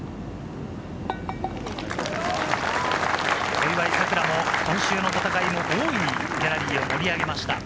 小祝さくらも今週の戦いも大いにギャラリーを盛り上げました。